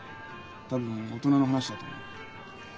多分大人の話だと思うよ。